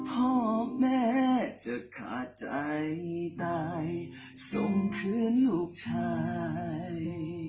พ่อแม่จะขาดใจตายส่งคืนลูกชาย